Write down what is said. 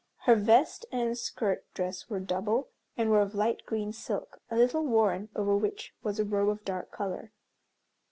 Her vest and skirt dress were double, and were of light green silk, a little worn, over which was a robe of dark color.